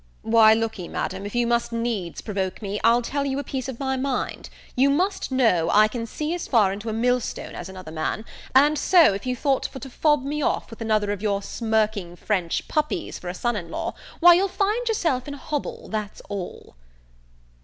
"Why, look'ee, Madam, if you must needs provoke me, I'll tell you a piece of my mind; you must know, I can see as far into a millstone as another man; and so, if you thought for to fob me off with another one of your smirking French puppies for a son in law, why you'll find yourself in a hobble, that's all."